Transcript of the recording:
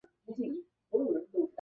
茂贞以六万兵马截击。